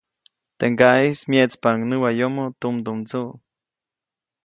Teʼ ŋgaʼeʼis myeʼtspaʼuŋ näwayomoʼ tumdumndsuʼ.